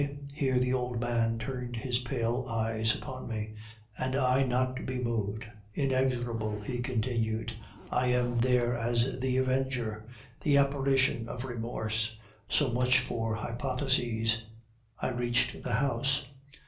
(here the old man turned his pale eyes upon me) 'and I not to be moved, inexorable!' he continued. 'I am there as the avenger, the apparition of Remorse. So much for hypotheses. I reached the house.